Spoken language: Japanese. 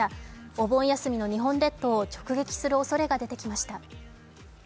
お盆休みの日本列島を直撃するおそれが出てきました。